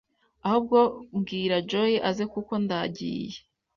Ahubwo bwira Joy aze kuko ndagiye